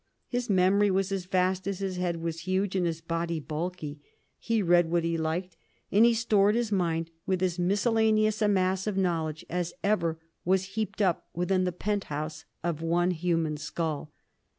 His memory was as vast as his head was huge and his body bulky. He read what he liked, and he stored his mind with as miscellaneous a mass of knowledge as ever was heaped up within the pent house of one human skull.